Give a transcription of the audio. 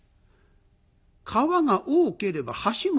川が多ければ橋も多い。